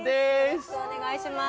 よろしくお願いします。